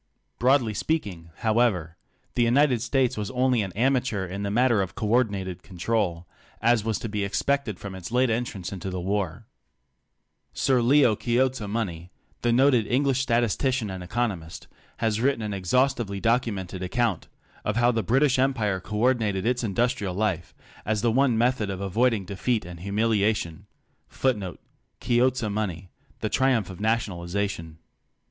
Broadly speaking, however, the United States was only an amateur in the matter of co ordinated control, as was to be expected from its late entrance into the war. Sir Leo Chiozza Money, the noted English statistician and economist, has written an exhaustively documented accounf of how the British Empire co ordinated its industrial life as the one method of avoiding defeat and humiliation.